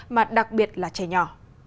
mà đặc biệt là trẻ nhỏ